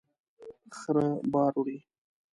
خره بار وړي